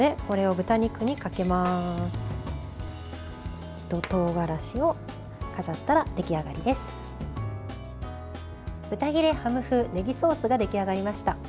豚ヒレハム風ねぎソースが出来上がりました。